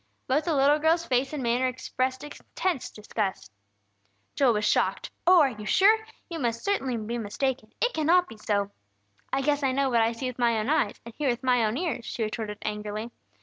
Both the little girl's face and manner expressed intense disgust. Joel was shocked. "Oh, are you sure?" he cried. "You certainly must be mistaken! It cannot be so!" "I guess I know what I see with my own eyes, and hear with my own ears!" she retorted, angrily.